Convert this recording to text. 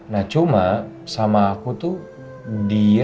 nah cuma sama aku tuh dia